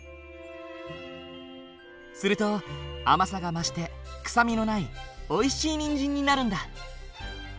すると甘さが増して臭みのないおいしいにんじんになるんだ。